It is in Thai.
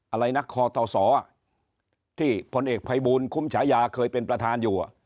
อะไรนะคอตสที่พลเอกภัยบูลคุ้มฉายาเคยเป็นประธานอยู่